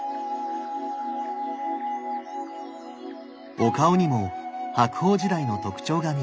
お顔にも白鳳時代の特徴が見られます。